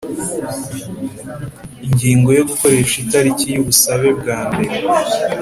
Ingingo yo Gukoresha itariki y ubusabe bwa mbere